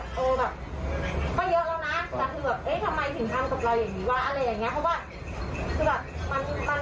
ตอบมาที่เค้าก็ติ้นสนิทด้วยอะไรอย่างเงี้ย